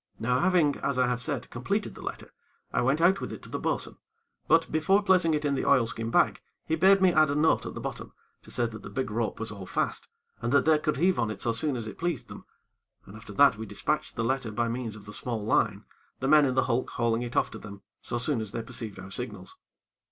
Now having, as I have said, completed the letter, I went out with it to the bo'sun; but, before placing it in the oilskin bag he bade me add a note at the bottom, to say that the big rope was all fast, and that they could heave on it so soon as it pleased them, and after that we dispatched the letter by means of the small line, the men in the hulk hauling it off to them so soon as they perceived our signals.